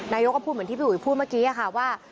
นายกก็พูดเหมือนที่พี่อุ๋ยพูดเมื่อกี้ค่ะว่า